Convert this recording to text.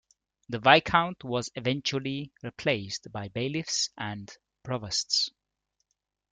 The viscount was eventually replaced by bailiffs, and provosts.